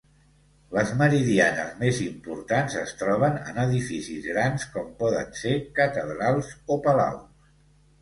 Les meridianes més importants es troben en edificis grans com poden ser catedrals o palaus.